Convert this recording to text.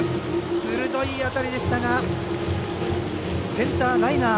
鋭い当たりでしたがセンターライナー。